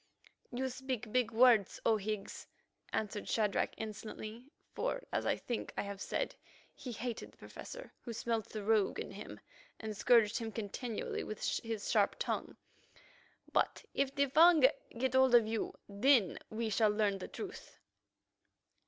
"You speak big words, O Higgs," answered Shadrach insolently, for, as I think I have said, he hated the Professor, who smelt the rogue in him, and scourged him continually with his sharp tongue, "but if the Fung get hold of you, then we shall learn the truth."